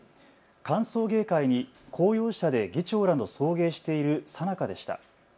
歓送迎会に公用車で議長らの送迎している最中でした。